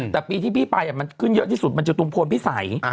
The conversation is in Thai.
แต่ปีที่พี่ไปมันขึ้นเยอะที่สุดมันจะตุมพลพิสัย